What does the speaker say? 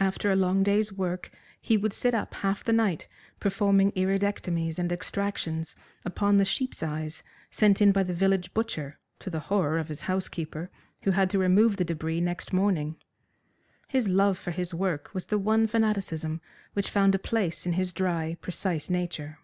After a long day's work he would sit up half the night performing iridectomies and extractions upon the sheep's eyes sent in by the village butcher, to the horror of his housekeeper, who had to remove the debris next morning. His love for his work was the one fanaticism which found a place in his dry, precise nature.